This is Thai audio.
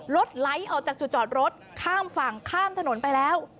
ไหลออกจากจุดจอดรถข้ามฝั่งข้ามถนนไปแล้ว